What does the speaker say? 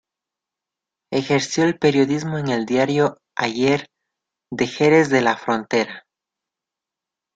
Ejerció el periodismo en el diario "Ayer" de Jerez de la Frontera.